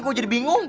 kok jadi bingung